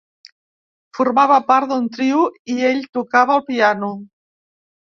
Formava part d'un trio i ell tocava el piano.